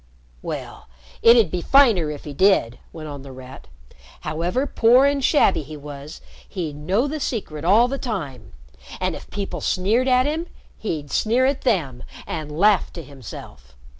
"Well, it'd be finer if he did," went on The Rat. "However poor and shabby he was, he'd know the secret all the time. And if people sneered at him, he'd sneer at them and laugh to himself.